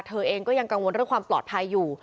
เธอเองก็ยังกังวลเรื่องความปลอดภัยอยู่